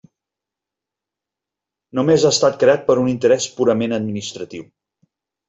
Només ha estat creat per un interès purament administratiu.